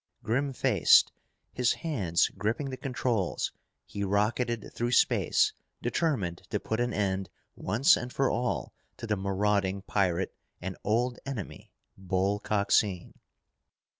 Grim faced, his hands gripping the controls, he rocketed through space, determined to put an end, once and for all, to the marauding pirate and old enemy, Bull Coxine.